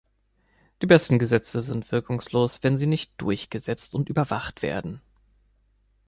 Die besten Gesetze sind wirkungslos, wenn sie nicht durchgesetzt und überwacht werden.